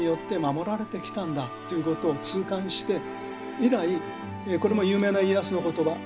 以来これも有名な家康の言葉